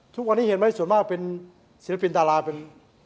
ทุกวันนี้เห็นไหมส่วนมากเป็นศิลปินดาราเป็น